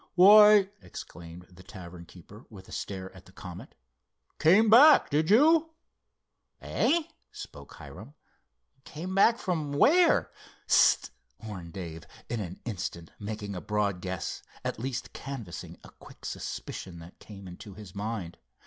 "Why," exclaimed the tavern keeper, with a stare at the Comet, "came back, did you?" "Eh?" spoke Hiram—"came back from where?" "S st!" warned Dave, in an instant making a broad guess, at least canvassing a quick suspicion that came into his mind.